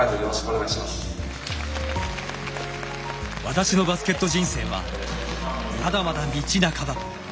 私のバスケット人生はまだまだ道半ば。